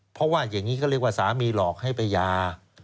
เพราะว่าอย่างนี้ก็เรียกว่าสามีหลอกให้ไปยา